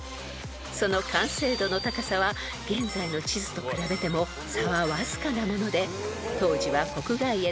［その完成度の高さは現在の地図と比べても差はわずかなもので当時は］